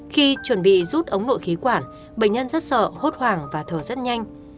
khi chuẩn bị rút ống nội khí quản bệnh nhân rất sợ hốt hoảng và thở rất nhanh